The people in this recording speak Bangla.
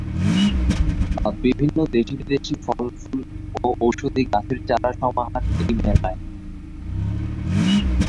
বিভিন্ন দেশি বিদেশি ফলফুল ও ঔষধি গাছের চারার সমাহার এই মেলায়।